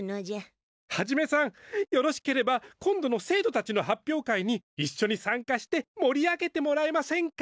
ハジメさんよろしければ今度の生とたちの発表会にいっしょにさんかしてもり上げてもらえませんか？